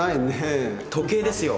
時計ですよ。